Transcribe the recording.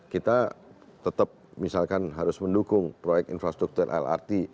kita tetap misalkan harus mendukung proyek infrastruktur lrt